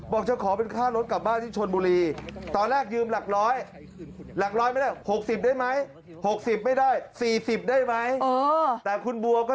บอกจะขอเป็นค่าล้นกลับบ้านที่ชลบุรีตอนแรกยืมหลักร้อยดึง๗๐ได้ไหม